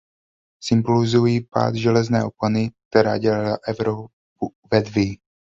Symbolizují pád železné opony, která dělila Evropu vedví.